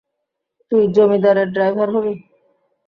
তুই জমিদারের ড্রাইভার হবি?